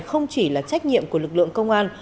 không chỉ là trách nhiệm của lực lượng công an